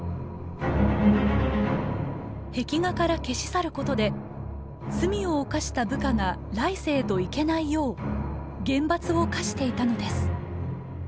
壁画から消し去ることで罪を犯した部下が来世へと行けないよう厳罰を科していたのです。